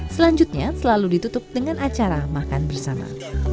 selanjutnya selalu ditutup dengan acara makan bersama